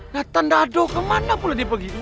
nathan dadoh kemana pula dia pergi tuh